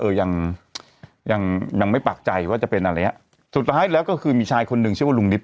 ยังยังยังไม่ปากใจว่าจะเป็นอะไรอย่างเงี้ยสุดท้ายแล้วก็คือมีชายคนหนึ่งชื่อว่าลุงนิด